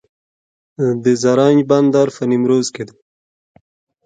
د زرنج بندر په نیمروز کې دی